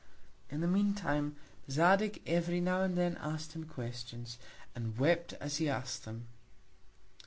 In the mean Time, Zadig every now and then ask'd him Questions, and wept as he ask'd them.